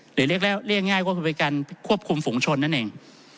เรียกง่ายก็คือเป็นการควบคุมฝุงชนนั่นเอง